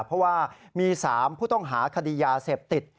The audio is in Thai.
เพราะว่ามี๓ผู้ต้องหาคดียาเสพติด